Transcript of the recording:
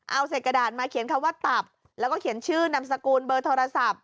เอาเศษกระดาษมาเขียนคำว่าตับแล้วก็เขียนชื่อนามสกุลเบอร์โทรศัพท์